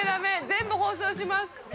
全部放送します。